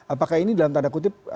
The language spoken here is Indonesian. apakah ini dalam tanda kutip